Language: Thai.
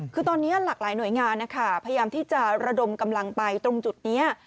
คือตอนนี้หลากหลายหน่วยงานนะคะพยายามที่จะระดมกำลังไปตรงจุดนี้